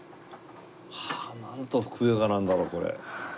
はあなんとふくよかなんだろうこれ。